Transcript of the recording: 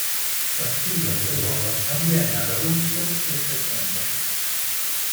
La schiusa delle uova avviene ad agosto e settembre.